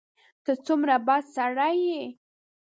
ته څومره بد سړی یې !